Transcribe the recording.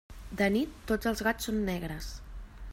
De nit, tots els gats són negres.